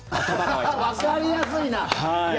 わかりやすいな！